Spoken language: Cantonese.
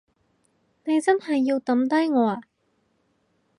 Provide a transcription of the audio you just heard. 你真係要抌低我呀？